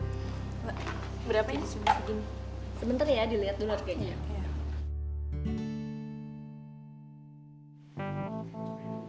sebentar ya diliat dulu